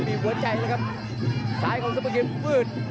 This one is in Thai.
มีหัวใจแล้วครับซ้ายของซุปเปิมมืด